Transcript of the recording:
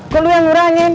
kok lu yang nurangin